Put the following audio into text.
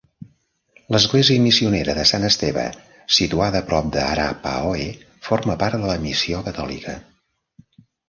L'església missionera de Sant Esteve, situada a prop d'Arapahoe, forma part de la missió catòlica.